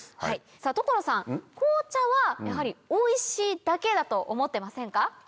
さぁ所さん紅茶はやはりおいしいだけだと思ってませんか？